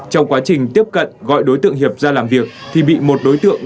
trong quá trình tiếp cận gọi đối tượng hiệp ra làm việc thì bị một đối tượng